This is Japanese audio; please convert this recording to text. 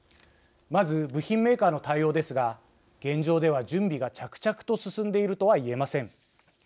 まず、部品メーカーの対応ですが現状では準備が着々と進んでいるとは言えません。